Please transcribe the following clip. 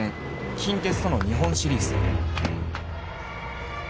近鉄との日本シリーズ。